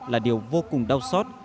là điều vô cùng đau sót